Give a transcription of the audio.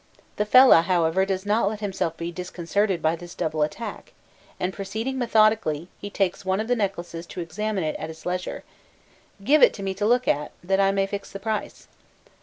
The fellah, however, does not let himself be disconcerted by this double attack, and proceeding methodically, he takes one of the necklaces to examine it at his leisure: "Give it to me to look at, that I may fix the price."